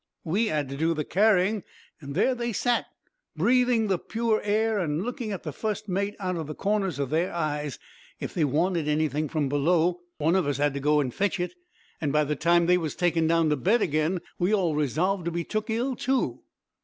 "We had to do the carrying, an' there they sat, breathing the pure air, and looking at the fust mate out of the corners of their eyes. If they wanted any thing from below, one of us had to go an' fetch it, an' by the time they was taken down to bed again, we all resolved to be took ill too.